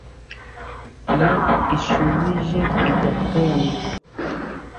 iyo ishubije i gatonde,